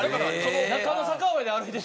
中野坂上で歩いてて。